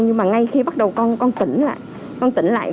nhưng mà ngay khi bắt đầu con tỉnh lại